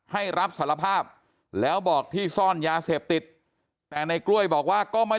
ให้รับสารภาพแล้วบอกที่ซ่อนยาเสพติดแต่ในกล้วยบอกว่าก็ไม่